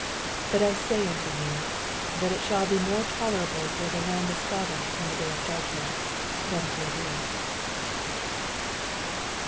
24 But I say unto you, That it shall be more tolerable for the land of Sodom in the day of judgment, than for thee.